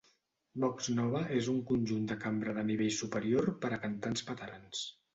Vox Nova és un conjunt de cambra de nivell superior per a cantants veterans.